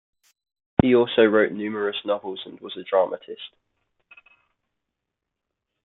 He also wrote numerous novels, and was a dramatist.